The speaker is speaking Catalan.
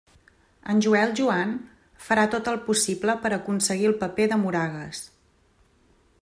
En Joel Joan farà tot el possible per aconseguir el paper de Moragues.